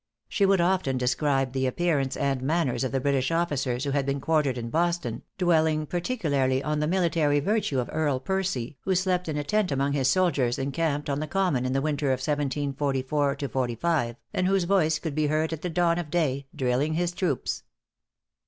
She would often describe the appearance and manners of the British officers who had been quartered in Boston, dwelling particularly on the military virtue of Earl Percy, who slept in a tent among his soldiers encamped on the Common in the winter of 1774 5, and whose voice could be heard at the dawn of day, drilling his troops.